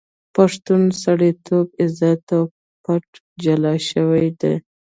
پښتون سړیتوب، عزت او پت جلا شوی دی.